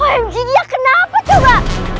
omg dia kenapa coba